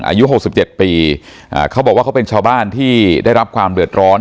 อายุหกสิบเจ็ดปีอ่าเขาบอกว่าเขาเป็นชาวบ้านที่ได้รับความเดือดร้อน